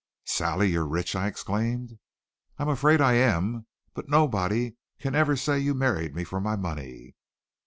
"Sally! You're rich?" I exclaimed. "I'm afraid I am. But nobody can ever say you married me for my money."